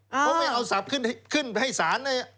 เพราะไม่เอาสัปขึ้นให้ศาล